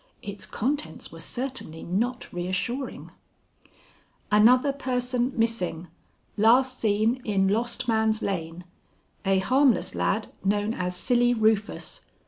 Its contents were certainly not reassuring: "Another person missing. Last seen in Lost Man's Lane. A harmless lad known as Silly Rufus.